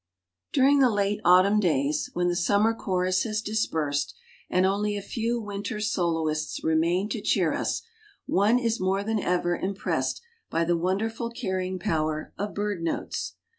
During the late autumn days, when the summer chorus has dispersed, and only a few winter soloists remain to cheer us, one is more than ever impressed by the wonderful carrying power of bird notes.